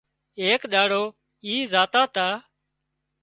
ايڪ ڏاڙو اي زاتا تا